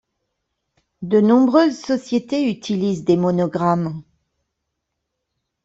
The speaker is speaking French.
De nombreuses sociétés utilisent des monogrammes.